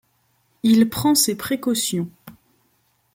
Il prend ses précautions :